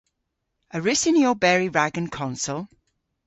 A wrussyn ni oberi rag an konsel?